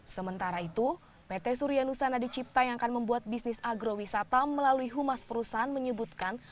sementara itu pt surya nusa nadicipta yang akan membuat bisnis agrowisata melalui humas perusahaan menyebutkan